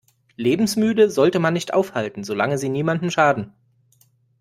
Lebensmüde sollte man nicht aufhalten, solange sie niemandem schaden.